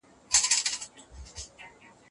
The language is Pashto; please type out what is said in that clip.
په اونۍ کي د بحث او مناقشې ورځ څنګه ټاکل کيږي؟